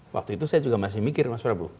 waktu itu saya juga masih mikir mas prabu